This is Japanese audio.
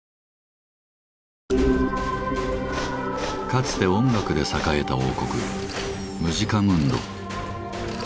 かつて音楽で栄えた王国「ムジカムンド」。